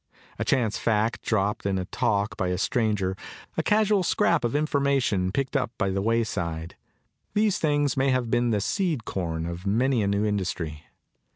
A chance fact dropped in talk by a stranger, a casual scrap of information picked up by the wayside these things may have been the seed corn of many a new industry.